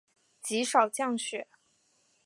极少降雪。